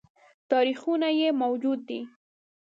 تاریخونه یې موجود دي